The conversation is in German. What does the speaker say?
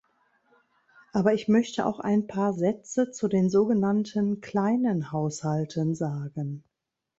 Aber ich möchte auch ein paar Sätze zu den sogenannten kleinen Haushalten sagen.